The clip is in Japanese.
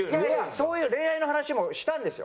そういう恋愛の話もしたんですよ。